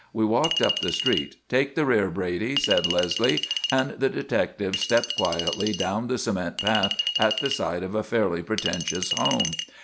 We walked up the street. "Take the rear, Brady," said Leslie, and the detective stepped quietly down the cement path at the side of a fairly pretentious home.